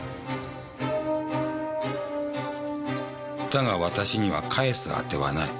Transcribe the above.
だが私には返す当てはない。